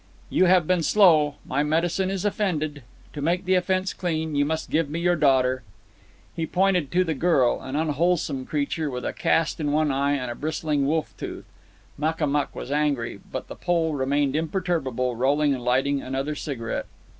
"You have been slow. My medicine is offended. To make the offence clean you must give me your daughter." He pointed to the girl, an unwholesome creature, with a cast in one eye and a bristling wolf tooth. Makamuk was angry, but the Pole remained imperturbable, rolling and lighting another cigarette.